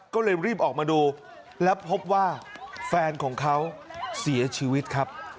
ก็เลยรีบออกมาดูแล้วพบว่าแฟนของเขาเสียชีวิตครับ